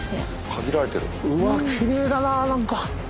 うわきれいだな何か。